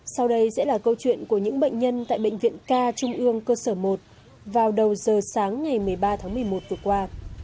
sau đây sẽ là câu chuyện của những bệnh nhân tại bệnh viện ca trung ương cơ sở một vào đầu giờ sáng ngày một mươi ba tháng một mươi một vừa qua